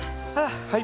はい。